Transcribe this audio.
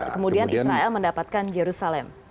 kemudian israel mendapatkan yerusalem